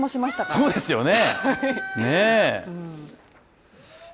そうですよね。